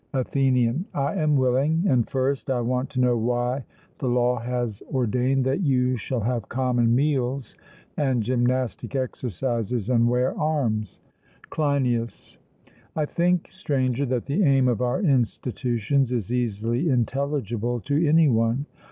ATHENIAN: I am willing And first, I want to know why the law has ordained that you shall have common meals and gymnastic exercises, and wear arms. CLEINIAS: I think, Stranger, that the aim of our institutions is easily intelligible to any one.